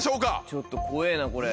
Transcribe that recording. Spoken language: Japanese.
ちょっと怖えぇなこれ。